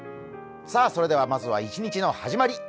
それでは、まずは一日の始まり。